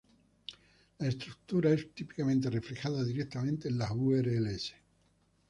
La estructura es típicamente reflejada directamente en las urls.